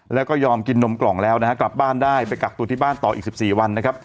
แล้วก็ยอมกินนมกล่องแล้วนะฮะกลับบ้านได้ไปกักตัวที่บ้านต่ออีก๑๔วันนะครับ